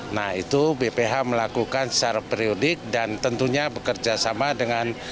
nah itu bph melakukan secara perudik dan tentunya bekerjasama dengan